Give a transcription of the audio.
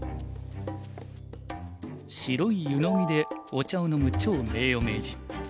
白い湯飲みでお茶を飲む趙名誉名人。